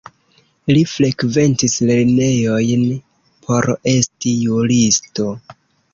Li frekventis lernejojn por esti juristo.